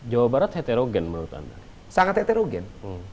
jawa barat heterogen menurut anda sangat heterogen